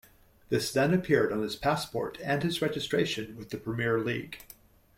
This then appeared on his passport and his registration with the Premier League.